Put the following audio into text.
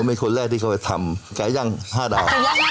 เป็นคนแรกที่เขาไปทำไก่ย่าง๕ดาว